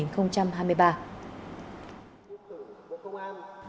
chương trình của bộ công an